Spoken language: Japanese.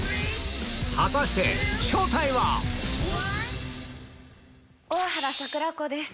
果たして正体は⁉大原櫻子です。